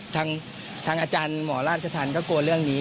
ทางอาจารย์หมอราชธรรมก็กลัวเรื่องนี้